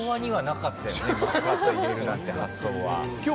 マスカット入れるなんて発想は。